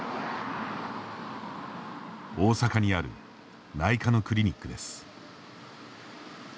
大阪にある内科のクリニックです。